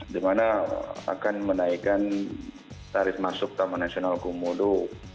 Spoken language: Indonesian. di mana akan menaikkan tarif masuk taman nasional komodo